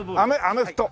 アメフト。